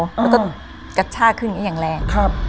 แล้วก็กัชช่าขึ้นอย่างแรง